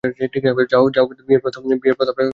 যা হোক, বিয়ের প্রস্তাবটা তা হলে স্থির?